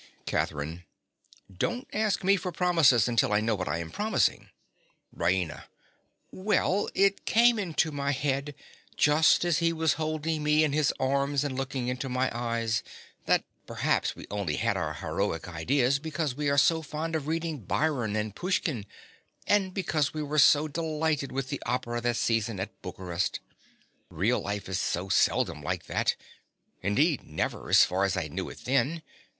CATHERINE. Don't ask me for promises until I know what I am promising. RAINA. Well, it came into my head just as he was holding me in his arms and looking into my eyes, that perhaps we only had our heroic ideas because we are so fond of reading Byron and Pushkin, and because we were so delighted with the opera that season at Bucharest. Real life is so seldom like that—indeed never, as far as I knew it then.